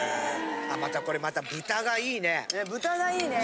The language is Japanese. またこれ豚がいいね。